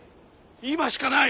今しかない！